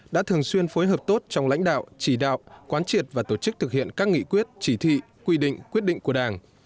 đã thường xuyên phối hợp tốt trong lãnh đạo chỉ đạo quán triệt và tổ chức thực hiện các nghị quyết chỉ thị quy định quyết định của đảng